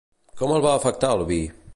Com el va afectar el vi?